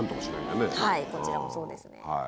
こちらもそうですね。